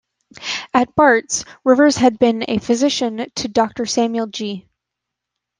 At Bart's, Rivers had been a physician to Doctor Samuel Gee.